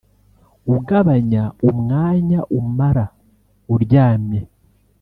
ugabanya umwanya umara uryamye